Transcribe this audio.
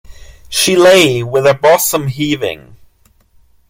She lay with her bosom heaving.